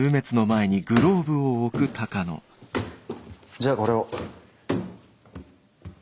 じゃあこれを。